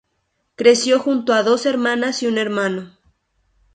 Creció junto a dos hermanas y un hermano.